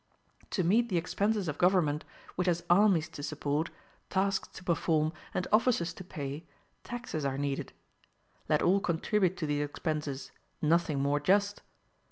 To meet the expenses of government, which has armies to support, tasks to perform, and officers to pay, taxes are needed. Let all contribute to these expenses: nothing more just.